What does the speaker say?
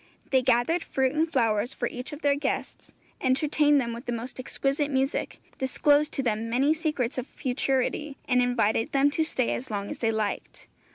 They gathered fruit and flowers for each of their guests, entertained them with the most exquisite music, disclosed to them many secrets of futurity, and invited them to stay as long as they liked.